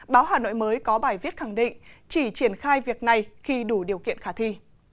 báo hà nội mới có bài viết khẳng định chỉ triển khai việc này khi đủ điều kiện khả thi